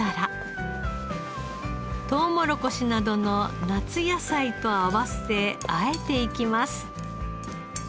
トウモロコシなどの夏野菜と合わせ和えていきます。